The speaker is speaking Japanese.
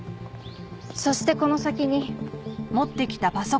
そしてこの先に。